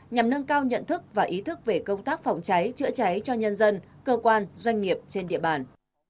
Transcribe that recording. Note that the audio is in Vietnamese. nhằm nâng cao nhận thức và ý thức về công tác phòng cháy chữa cháy cho nhân dân cơ quan doanh nghiệp trên địa bàn